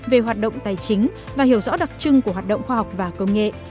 về hoạt động tài chính và hiểu rõ đặc trưng của hoạt động khoa học và công nghệ